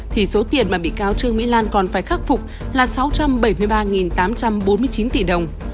thì số tiền mà bị cáo trương mỹ lan còn phải khắc phục là sáu trăm bảy mươi ba tám trăm bốn mươi chín tỷ đồng